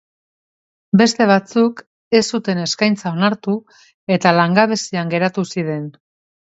Beste batzuk, ez zuten eskaintza onartu eta langabzian geratu ziren.